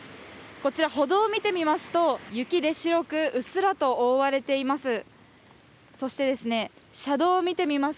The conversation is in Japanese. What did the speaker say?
こちら、歩道を見てみますと雪で白くうっすらと覆われています。